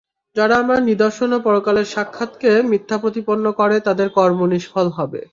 যারা আমার নিদর্শন ও পরকালের সাক্ষাতকে মিথ্যা প্রতিপন্ন করে তাদের কর্ম নিষ্ফল হবে।